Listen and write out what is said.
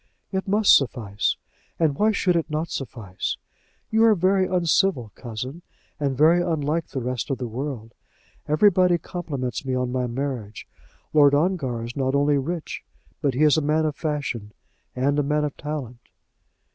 "It must suffice. And why should it not suffice? You are very uncivil, cousin, and very unlike the rest of the world. Everybody compliments me on my marriage. Lord Ongar is not only rich, but he is a man of fashion, and a man of talent."